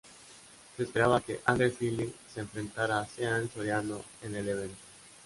Se esperaba que Andre Fili se enfrentara a Sean Soriano en el evento.